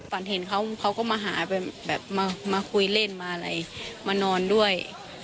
ฝันเห็นเขาเขาก็มาหาแบบมาคุยเล่นมาอะไรมานอนด้วย